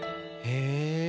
へえ。